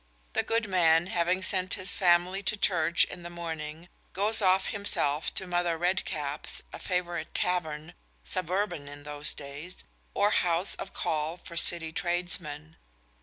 The good man, having sent his family to church in the morning, goes off himself to Mother Redcap's, a favourite tavern suburban in those days or house of call for City tradesmen.